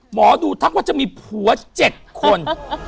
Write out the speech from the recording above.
หมอดูทักว่าจะมีผัว๗คน